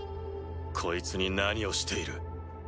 こいつに何をしている？